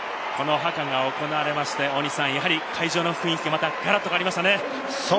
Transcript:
ハカが行われまして、やはり会場の雰囲気がガラッと変わりましたね。